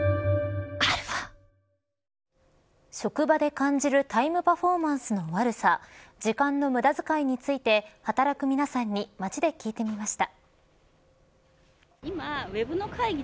職場で感じるタイムパフォーマンスの悪さ時間の無駄使いについて働く皆さんに街で聞いてみました。